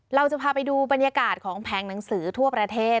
เราจะพาไปดูบรรยากาศของแผงหนังสือทั่วประเทศ